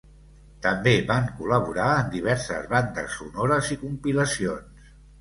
També van col·laborar en diverses bandes sonores i compilacions.